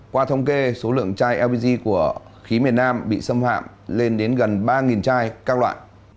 qua thông kê số lượng chai lbg của khí miền nam bị xâm phạm lên đến gần ba chai các loại